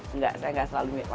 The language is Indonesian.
enggak saya gak selalu makan kurma